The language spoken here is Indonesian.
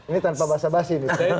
ini tanpa bahasa bahasa ini